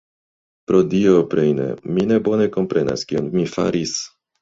Pro Dio, Breine, mi ne bone komprenas, kion mi faris.